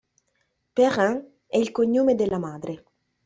Perrin è il cognome della madre.